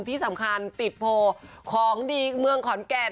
ที่สำคัญติดโพลของดีเมืองขอนแก่น